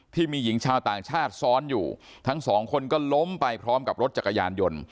ที่มีหญิงชาวต่างชาติซ้อนอยู่ทั้งสองคนก็ล้มไปพร้อมกับรถจักรยานยนต์